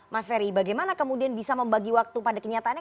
mas ferry bagaimana kemudian bisa membagi waktu pada kenyataannya